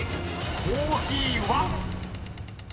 ［コーヒーは⁉］